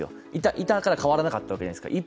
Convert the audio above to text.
いたから変わらなかったわけじゃないですか。